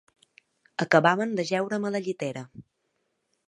Acabaven d'ajeure'm a la llitera